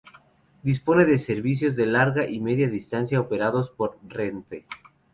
Dispone de servicios de Larga y media distancia operados por Renfe.